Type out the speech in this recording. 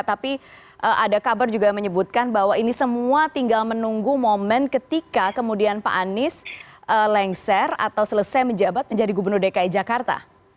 tapi ada kabar juga yang menyebutkan bahwa ini semua tinggal menunggu momen ketika kemudian pak anies lengser atau selesai menjabat menjadi gubernur dki jakarta